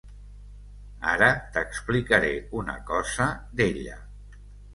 Ara t'explicaré una cosa d'ella.